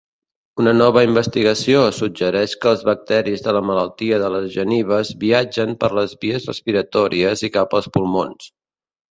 Una nova investigació suggereix que els bacteris de la malaltia de les genives viatgen per les vies respiratòries i cap als pulmons